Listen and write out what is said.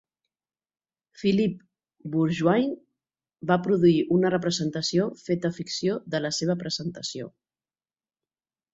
Philip Burgoyne va produir una representació feta ficció de la seva presentació.